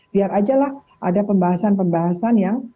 biar ajalah ada pembahasan pembahasan yang